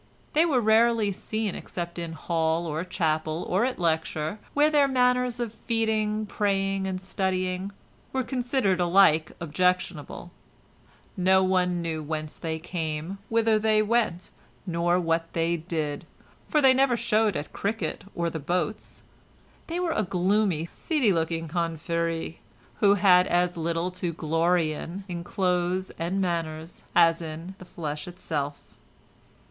They were rarely seen except in hall or chapel or at lecture, where their manners of feeding, praying and studying, were considered alike objectionable; no one knew whence they came, whither they went, nor what they did, for they never showed at cricket or the boats; they were a gloomy, seedy looking conférie, who had as little to glory in in clothes and manners as in the flesh itself.